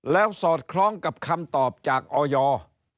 แล้วสอดคล้องกับคำตอบจากออย